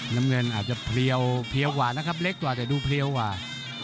น้ำเงินอาจจะเพรียวเปรียวหวานนะครับเล็กต่อแต่ดูเพรียวหวาน